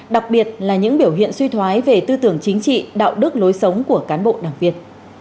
đặc biệt là những biểu hiện suy thoái về tư tưởng chính trị đạo đức lối sống của cán bộ đảng viên